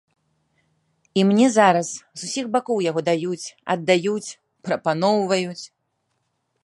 І мне зараз з усіх бакоў яго даюць, аддаюць, прапаноўваюць.